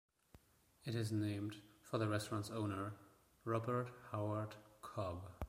It is named for the restaurant's owner, Robert Howard Cobb.